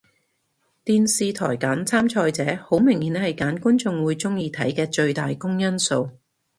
電視台揀參賽者好明顯係揀觀眾會鍾意睇嘅最大公因數